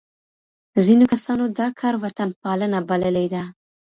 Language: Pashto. ځينو کسانو دا کار وطن پالنه بللې ده.